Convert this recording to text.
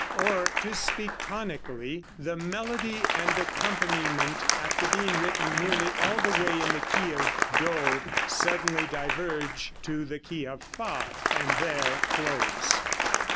Or to speak tonically, the melody and accompaniment after being written nearly all the way in the key of Do, suddenly diverge to the key of Fa, and there close.